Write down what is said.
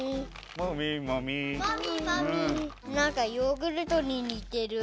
なんかヨーグルトににてる。